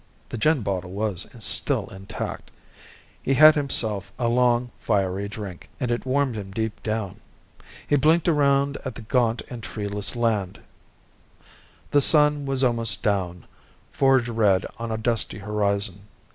The gin bottle was still intact. He had himself a long fiery drink, and it warmed him deep down. He blinked around at the gaunt and treeless land. The sun was almost down, forge red on a dusty horizon.